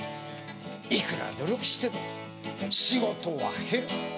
いくら努力してても仕事は減る。